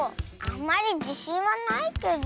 あんまりじしんはないけど。